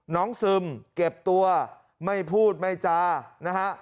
ซึมเก็บตัวไม่พูดไม่จานะฮะ